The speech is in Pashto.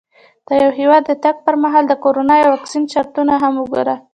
د یو هېواد د تګ پر مهال د کرونا یا واکسین شرطونه هم وګوره.